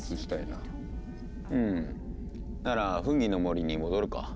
ならフンギの森に戻るか。